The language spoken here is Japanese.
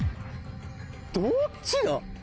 どっちだ？